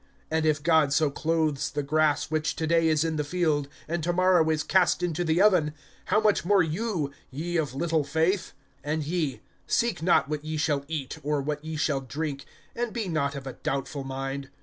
(28)And if God so clothes the grass, which to day is in the field, and to morrow is cast into the oven, how much more you, ye of little faith? (29)And ye, seek not what ye shall eat, or what ye shall drink, and be not of a doubtful mind.